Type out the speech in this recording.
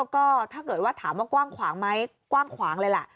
ก็ถ้าเกิดว่าถามว่ากว้างขวางไหมกว้างขวางเลยล่ะ